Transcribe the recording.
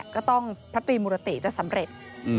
ก็ต้องพระตรีมุรติจะสำเร็จ